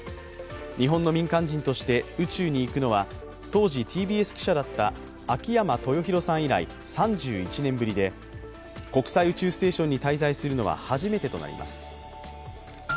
日本の民間人として宇宙に行くのは当時、ＴＢＳ記者だった秋山豊寛さん以来３１年ぶりで国際宇宙ステーションに滞在するのは初めてとなります。